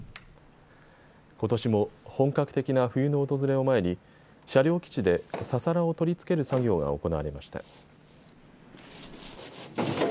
ことしも本格的な冬の訪れを前に車両基地でササラを取り付ける作業が行われました。